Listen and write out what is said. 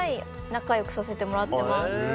仲良くさせてもらってます。